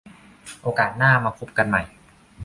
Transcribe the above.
โอกาสหน้ามาพบกันใหม่